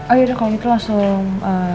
oh ya udah kalau gitu langsung